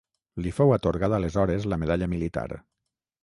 Li fou atorgada aleshores la Medalla militar.